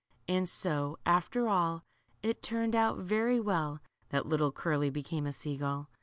And* so, after all, it turned out very well that little Curly became a sea gull.